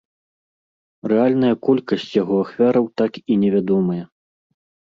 Рэальная колькасць яго ахвяраў так і невядомая.